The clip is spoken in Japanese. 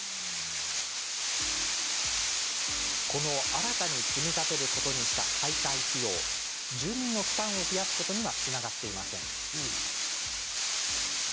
新たに積み立てることにした解体費用住民の負担を増やすことにはつながっていません。